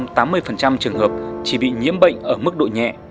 các bệnh nhân may mắn nằm trong tám mươi trường hợp chỉ bị nhiễm bệnh ở mức độ nhẹ